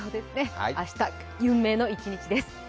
明日、運命の一日です。